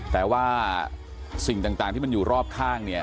แต่ว่าสิ่งต่างที่มันอยู่รอบข้างเนี่ย